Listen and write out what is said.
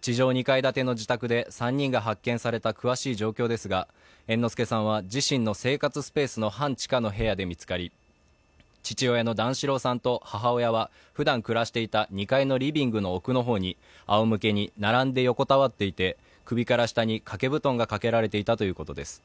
地上２階建ての自宅で３人が発見された詳しい情報ですが、猿之助さんは自身の生活スペースの半地下の部屋で見つかり、父親の段四郎さんと母親はふだん暮らしていた２階のリビングの奥の方にあおむけに横たわっていて、首から下に掛け布団がかけられていたということです。